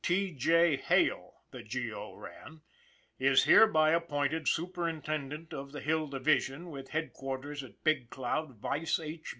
" T. J. Hale," the G. O. ran, " is hereby appointed Superintendent of the Hill Division, with headquar ters at Big Cloud, vice H.